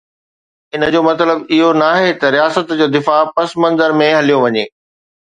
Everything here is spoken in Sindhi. ان جو مطلب اهو ناهي ته رياست جو دفاع پس منظر ۾ هليو وڃي.